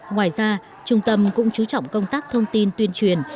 ngoài ra trung tâm cũng chú trọng công tác thông tin tuyên truyền